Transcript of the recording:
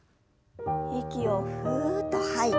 息をふっと吐いて。